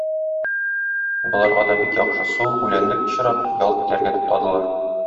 Боларга да бик яхшы су, үләнлек очрап, ял итәргә туктадылар.